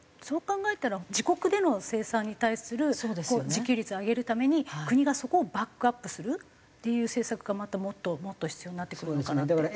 そう考えたら自国での生産に対する自給率を上げるために国がそこをバックアップするっていう政策がまたもっともっと必要になってくるのかなって。